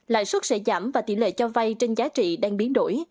lại sức sẽ giảm và tỷ lệ cho vay trên giá trị đang biến đổi